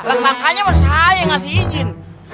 lah sangkanya mah saya yang ngasih izin